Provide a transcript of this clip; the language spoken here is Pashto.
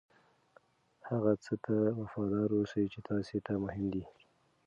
هغه څه ته وفادار اوسئ چې تاسې ته مهم دي.